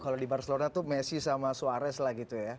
kalau di barcelona tuh messi sama suarez lah gitu ya